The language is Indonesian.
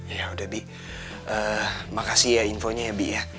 ya udah by makasih ya infonya ya bi ya